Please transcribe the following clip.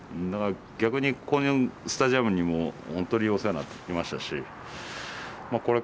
だから逆にこのスタジアムにも本当にお世話になってきましたしまあ